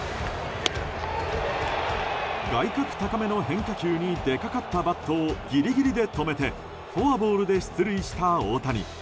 外角高めの変化球に出かかったバットをギリギリで止めてフォアボールで出塁した大谷。